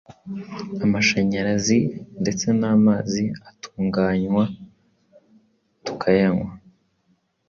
amashanyarazi, ndetse n’amazi atunganywa tukayanywa.